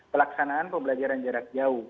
pelaksanaan pembelajaran jarak jauh